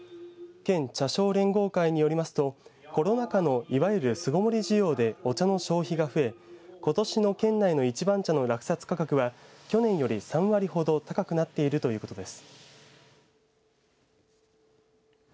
県茶商連合会によりますとコロナ禍の、いわゆる巣ごもり需要でお茶の消費が増えことしの県内の一番茶の落札価格は去年より３割ほど高くなっているということです。